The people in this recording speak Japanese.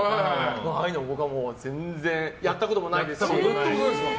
ああいうの僕は全然やったこともないし。